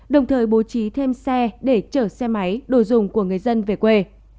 đồng thời bố trí thêm xe để chở xe máy đồ dùng của người dân về quê